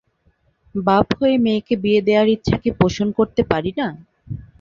বাপ হয়ে মেয়েকে বিয়ে দেয়ার ইচ্ছা কি পোষন করতে পারি না?